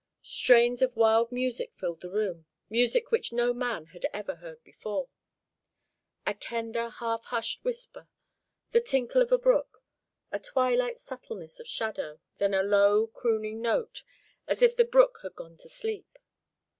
Strains of wild music filled the room music which no man had ever heard before. A tender, half hushed whisper, the tinkle of a brook, a twilight subtleness of shadow, then a low, crooning note, as if the brook had gone to sleep.